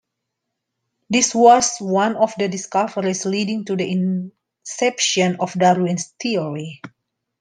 This was one of the discoveries leading to the inception of Darwin's theory.